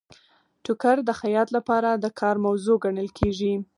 ټوکر د خیاط لپاره د کار موضوع ګڼل کیږي.